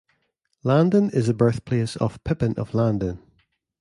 Landen is the birthplace of Pippin of Landen.